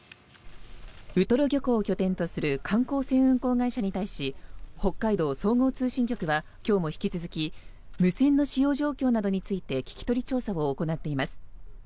ウトロ漁港を拠点とする観光船運航会社に対し北海道総合通信局は今日も引き続き無線の使用状況などについて聞き取り調査を行っています。